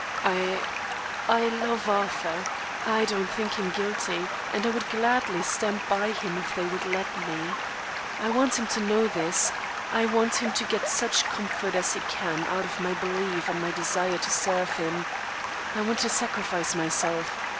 "I I love Arthur. I don't think him guilty and I would gladly stand by him if they would let me. I want him to know this. I want him to get such comfort as he can out of my belief and my desire to serve him. I want to sacrifice myself.